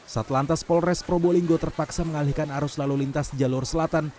satlantas polres probolinggo terpaksa mengalihkan arus lalu lintas jalur selatan